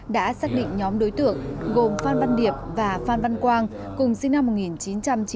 đã xác định nhóm đối tượng gồm phan văn điệp và phan văn quang cùng sinh năm một nghìn chín trăm chín mươi